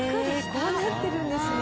羽田：こうなってるんですね。